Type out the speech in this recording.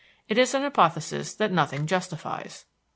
It is an hypothesis that nothing justifies.